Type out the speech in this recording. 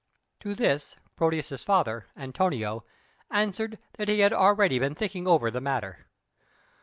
To this Proteus's father, Antonio, answered that he had already been thinking over the matter.